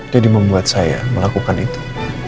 jadi membuat saya melakukan itu